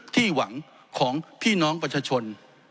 ที่หวังของพี่น้องประชาชน